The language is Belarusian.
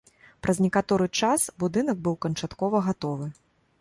Праз некаторы час будынак быў канчаткова гатовы.